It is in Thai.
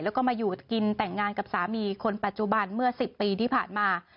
แล้วก็มาอยู่กินแต่งงานกับสามีคนปัจจุบันเมื่อ๑๐ปีที่ผ่านมา